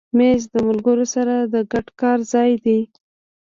مېز د ملګرو سره د ګډ کار ځای دی.